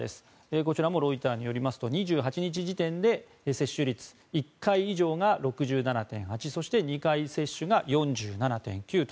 こちらもロイターによりますと２８日時点で接種率、１回以上が６７．８％そして２回接種が４７．９％と。